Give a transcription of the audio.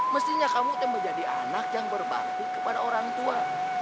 mestinya kamu akan menjadi anak yang berbakti kepada orang tua